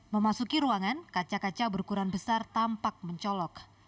memasuki ruangan kaca kaca berukuran besar tampak mencolok